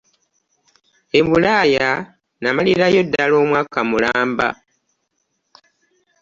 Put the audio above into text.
Ebulaaya namalirayo ddala omwaka mulamba.